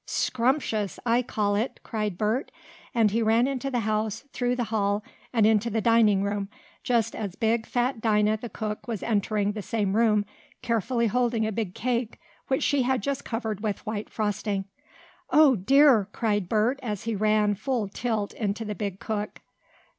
"Scrumptious, I call it!" cried Bert, and he ran into the house, through the hall, and into the dining room, just as big, fat Dinah, the cook, was entering the same room, carefully holding a big cake which she had just covered with white frosting. "Oh dear!" cried Bert, as he ran, full tilt, Into the big cook.